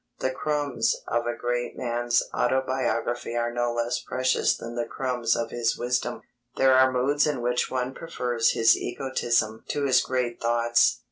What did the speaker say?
The crumbs of a great man's autobiography are no less precious than the crumbs of his wisdom. There are moods in which one prefers his egotism to his great thoughts.